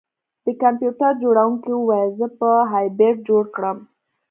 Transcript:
د کمپیوټر جوړونکي وویل زه به هایبریډ جوړ کړم